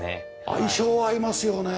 相性合いますよね。